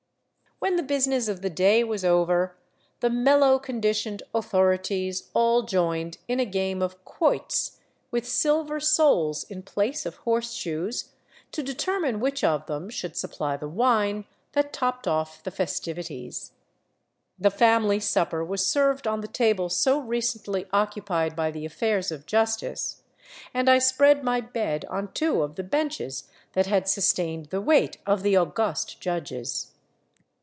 When the business of the day was over, the mellow conditioned " authorities " all joined in a game of " quoits," with silver soles in place of horseshoes, to determine which of them should supply the wine that topped off the festivities. The family supper was served on the table so recently occupied by the affairs of justice, and I spread my bed on two of the benches that had sustained the weight ^of the august judges.